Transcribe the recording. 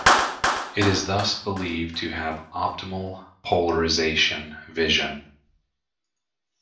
It is thus believed to have optimal polarization vision.